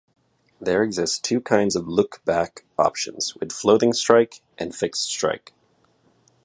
There exist two kinds of lookback options: with floating strike and with fixed strike.